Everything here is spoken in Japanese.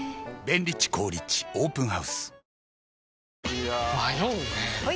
いや迷うねはい！